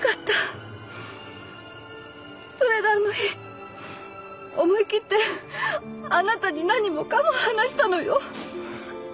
それであの日思い切ってあなたに何もかも話したのよ。